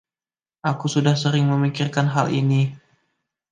Aku sudah sering memikirkan hal ini.